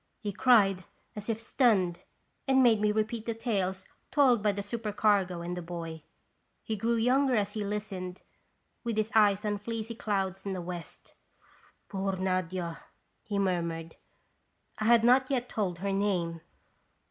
he cried, as if stunned, and made me repeat the tales told by the super cargo and the boy. He grew younger as he listened, with his eyes on fleecy clouds in the west. " Poor Nadia !" he murmured. I had not yet told her name.